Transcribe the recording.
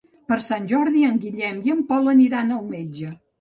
Per Sant Jordi en Guillem i en Pol aniran al metge.